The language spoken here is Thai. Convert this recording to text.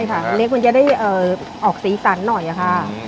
ใช่ค่ะเล็กมันจะได้เอ่อออกสีสันหน่อยอ่ะค่ะอืม